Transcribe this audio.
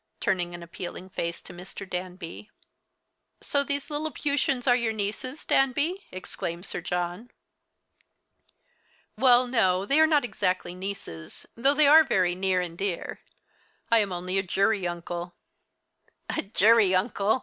turning an appealing face to Mr. Danby. "So these Lilliputians are your nieces, Danby!" exclaimed Sir John. "Well, no, they are not exactly nieces, though they are very near and dear. I am only a jury uncle." "A jury uncle!"